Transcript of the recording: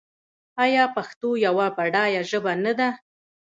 آیا پښتو یوه بډایه ژبه نه ده؟